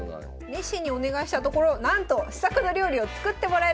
熱心にお願いしたところなんと試作の料理を作ってもらえることになりました。